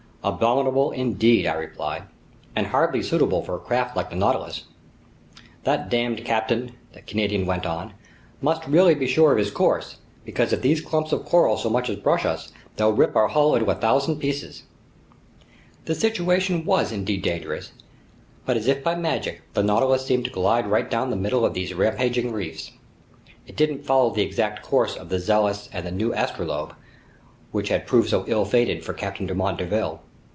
"Abominable indeed," I replied, "and hardly suitable for a craft like the Nautilus." "That damned captain," the Canadian went on, "must really be sure of his course, because if these clumps of coral so much as brush us, they'll rip our hull into a thousand pieces!" The situation was indeed dangerous, but as if by magic, the Nautilus seemed to glide right down the middle of these rampaging reefs. It didn't follow the exact course of the Zealous and the new Astrolabe, which had proved so ill fated for Captain Dumont d'Urville.